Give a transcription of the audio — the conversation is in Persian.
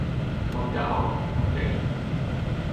مدعا ـ مدعی